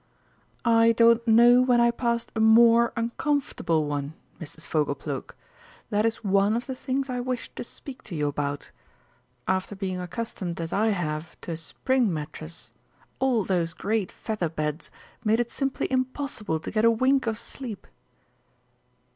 "I don't know when I passed a more uncomfortable one, Mrs. Fogleplug. That is one of the things I wished to speak to you about. After being accustomed as I have to a spring mattress, all those great feather beds made it simply impossible to get a wink of sleep!"